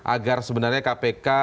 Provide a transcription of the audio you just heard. agar sebenarnya kpk